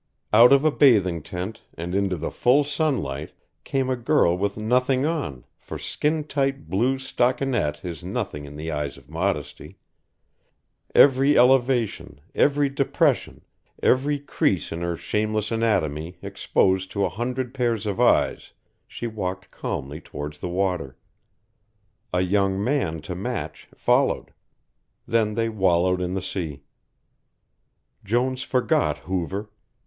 Out of a bathing tent, and into the full sunlight, came a girl with nothing on, for skin tight blue stockinette is nothing in the eyes of Modesty; every elevation, every depression, every crease in her shameless anatomy exposed to a hundred pairs of eyes, she walked calmly towards the water. A young man to match followed. Then they wallowed in the sea. Jones forgot Hoover.